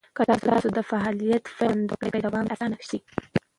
که تاسو د فعالیت پیل خوندور کړئ، دوام به یې اسانه شي.